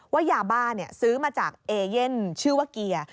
ยาบ้าซื้อมาจากเอเย่นชื่อว่าเกียร์